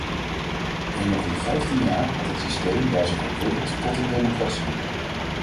In nog geen vijftien jaar had het systeem daar zich ontwikkeld tot een democratie.